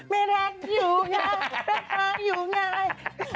ไม่แรดอยู่ง่ายแรดมากอยู่ง่าย